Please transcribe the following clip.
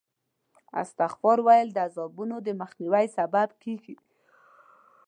استغفار ویل د عذابونو د مخنیوي سبب کېږي.